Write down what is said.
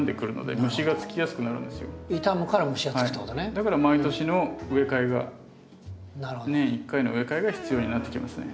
だから毎年の植え替えが年１回の植え替えが必要になってきますね。